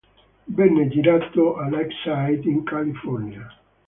Venne girato a Lakeside, in California.